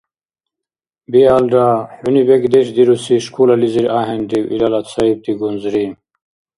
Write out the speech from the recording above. Биалра, хӀуни бекӀдеш дируси школализир ахӀенрив илала цаибти гунзри?